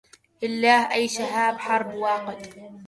لله أي شهاب حرب واقد